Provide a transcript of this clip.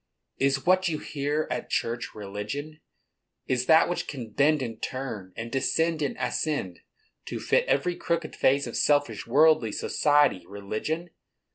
"Is what you hear at church religion? Is that which can bend and turn, and descend and ascend, to fit every crooked phase of selfish, worldly society, religion?